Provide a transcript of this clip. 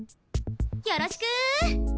よろしく。